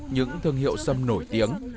những thương hiệu sâm nổi tiếng